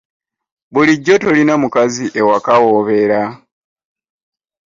Bulijjo tolina mukazi ewaka w'obeera.